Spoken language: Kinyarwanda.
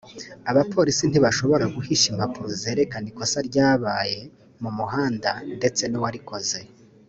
abapolisi ntibashobora guhisha impapuro zerekana ikosa ryabaye mu muhanda ndetse n’uwarikoze